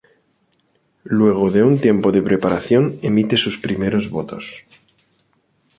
Luego de un tiempo de preparación emite sus primeros votos.